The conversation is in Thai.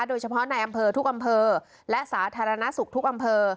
โดยเฉพาะในอำเภอทุกอำเภอและสาธารณสุขทุกอำเภอ